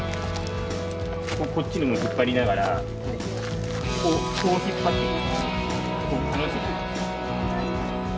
こっちにも引っ張りながらこうこう引っ張っていく。